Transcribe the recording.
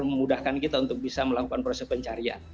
memudahkan kita untuk bisa melakukan proses pencarian